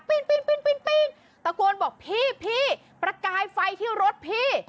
ตะโกนบอกพี่ประกายไฟที่รถพี่